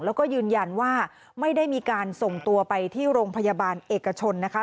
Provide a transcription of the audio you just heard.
แล้วก็ยืนยันว่าไม่ได้มีการส่งตัวไปที่โรงพยาบาลเอกชนนะคะ